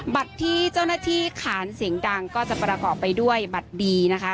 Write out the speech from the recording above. บัตรที่เจ้าหน้าที่ขานเสียงดังก็จะประกอบไปด้วยบัตรดีนะคะ